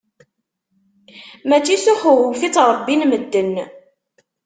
Mačči s uxewwef i ttṛebbin medden.